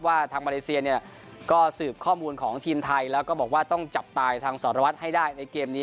ทางมาเลเซียเนี่ยก็สืบข้อมูลของทีมไทยแล้วก็บอกว่าต้องจับตายทางสารวัตรให้ได้ในเกมนี้